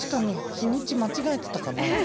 日にち間違えてたかな。